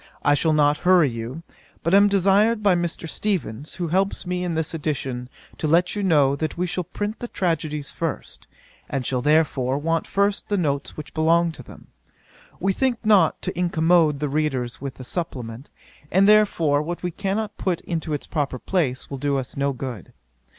I shall not hurry you; but am desired by Mr. Steevens, who helps me in this edition, to let you know, that we shall print the tragedies first, and shall therefore want first the notes which belong to them. We think not to incommode the readers with a supplement; and therefore, what we cannot put into its proper place, will do us no good.